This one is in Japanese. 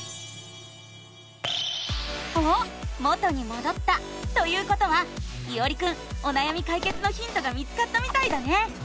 おっ元にもどったということはいおりくんおなやみかいけつのヒントが見つかったみたいだね！